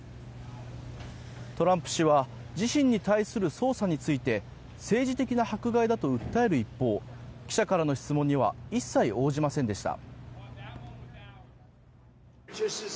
トランプ氏は自身に対する捜査について政治的な迫害だと訴える一方記者からの質問には一切応じませんでした。